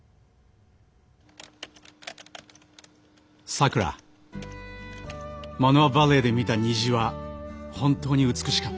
「さくらマノアバレーで見た虹は本当に美しかったね」。